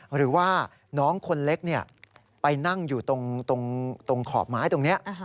หรือว่าน้องคนเล็กไปนั่งอยู่ตรงขอบไม้ตรงนี้